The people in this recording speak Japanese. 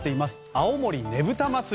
青森ねぶた祭。